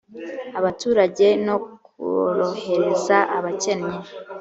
abaturage no korohereza abakeneye